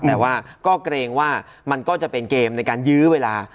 แต่ว่าก็เกรงว่ามันก็จะเป็นเกมในการยื้อเวลา